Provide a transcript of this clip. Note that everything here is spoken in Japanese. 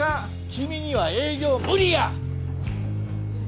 君には営業無理や！